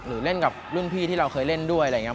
เล่นกับรุ่นพี่ที่เราเคยเล่นด้วยอะไรอย่างนี้